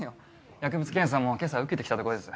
薬物検査も今朝受けて来たとこです。